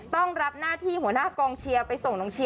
ต้องรับหน้าที่หัวหน้ากลองเชียร์ไปส่งค่ะ